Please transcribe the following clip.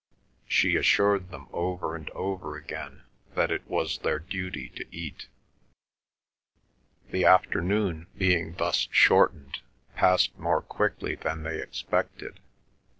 She assured them over and over again that it was their duty to eat. The afternoon, being thus shortened, passed more quickly than they expected.